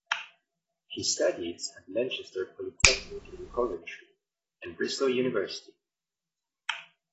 He studied at Lanchester Polytechnic in Coventry, and Bristol University.